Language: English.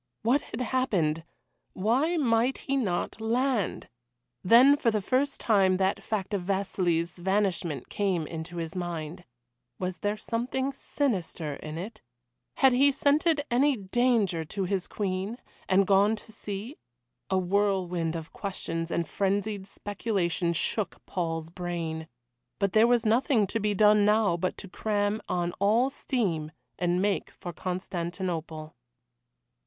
What had happened? Why might he not land? Then for the first time that fact of Vasili's vanishment came into his mind. Was there something sinister in it? Had he scented any danger to his Queen, and gone to see? A whirlwind of questions and frenzied speculation shook Paul's brain. But there was nothing to be done now but to cram on all steam and make for Constantinople.